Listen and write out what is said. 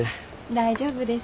大丈夫です。